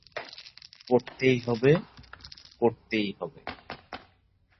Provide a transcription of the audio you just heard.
করতেই হবে, করতেই হবে।